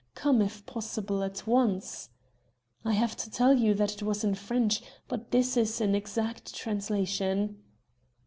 Come, if possible, at once.' I have to tell you that it was in French, but this is an exact translation."